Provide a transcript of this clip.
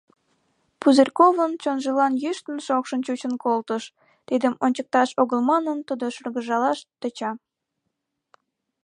Пузырьковын чонжылан йӱштын-шокшын чучын колтыш, тидым ончыкташ огыл манын, тудо шыргыжалаш тӧча.